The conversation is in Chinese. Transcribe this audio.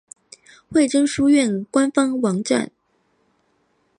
惠贞书院官方网站